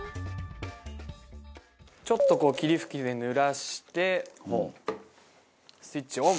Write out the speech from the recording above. ちょっとこう霧吹きで濡らしてスイッチオン。